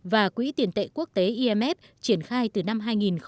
và quỹ tiền tệ quốc tế imf triển khai từ năm hai nghìn một mươi một